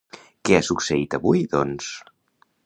Què ha succeït avui, doncs?